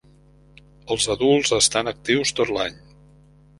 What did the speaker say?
Els adults estan actius tot l'any.